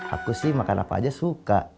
aku sih makan apa aja suka